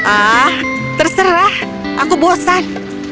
ah terserah aku bosan